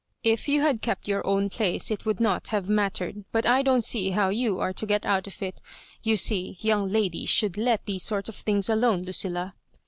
" If you had kept your owu place it would not have mattered; but I don't see how you are to get out of it You see young ladies should let' these sort of things alone, Lucilla."